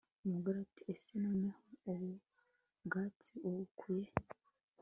Umugore ati « ese noneho ubu bwatsi ubukuye he